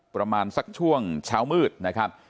ประมาณสักช่วงเช้ามืดนะครับ